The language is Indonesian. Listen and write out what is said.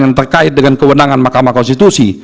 yang terkait dengan kewenangan mahkamah konstitusi